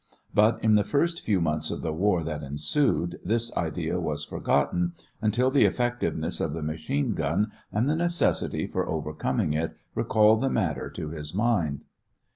But in the first few months of the war that ensued, this idea was forgotten, until the effectiveness of the machine gun and the necessity for overcoming it recalled the matter to his mind.